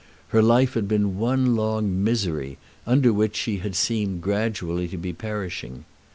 Her life had been one long misery, under which she had seemed gradually to be perishing.